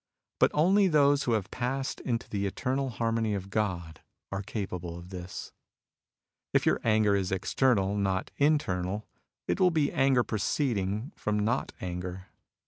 But only those who have passed into the eternal harmony of God are capable of this. If your anger is external, not internal, it wiU be anger proceeding from not anger.